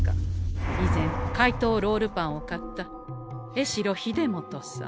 以前「怪盗ロールパン」を買った江城秀元さん。